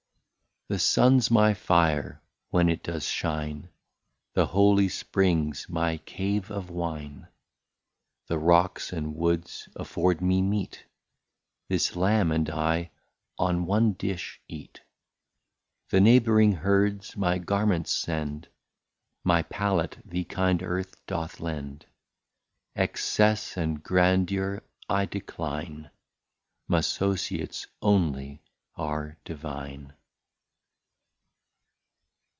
The Sun's my Fire, when it does shine, The hollow Spring's my Cave of Wine, The Rocks and Woods afford me Meat; This Lamb and I on one Dish eat: The neighbouring Herds my Garments send, My Pallet the kind Earth doth lend: Excess and Grandure I decline, M'Associates onely are Divine.